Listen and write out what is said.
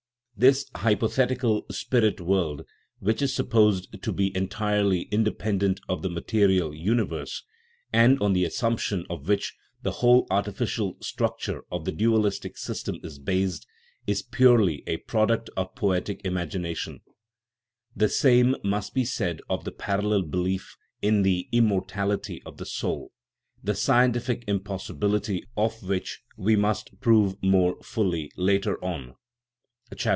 This hypothetical " spirit world," which is supposed to be entirely independent of the material universe, and on the assumption of which the whole artificial structure of the dualistic system is based, is purely a product of poetic imagination ; the same must be said of the parallel belief in the " immortality of the soul," the scientific impossibility of which we must prove more fully later on (chap.